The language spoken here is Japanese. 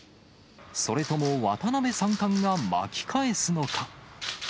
それとも渡辺三冠が巻き返すのか。